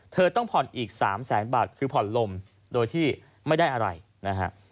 เธอต้องผ่อนอีก๓แสนบาทคือผ่อนลมโดยที่ไม่ได้อะไรนะฮะ